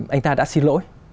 anh ta đã xin lỗi